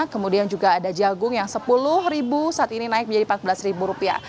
kemudian juga ada jagung yang sepuluh ribu saat ini naik menjadi rp empat belas rupiah